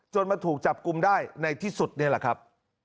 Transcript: มาถูกจับกลุ่มได้ในที่สุดนี่แหละครับ